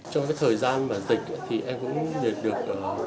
trong thời gian dịch thì em cũng nhận được